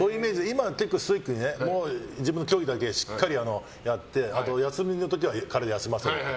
今はストイックに自分は競技だけしっかりやって休みの時は体を休ませると。